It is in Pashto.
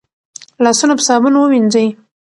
لاسونه په صابون ووينځئ